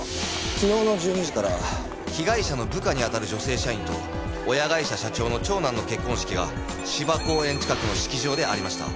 昨日の１２時から被害者の部下にあたる女性社員と親会社社長の長男の結婚式が芝公園近くの式場でありました。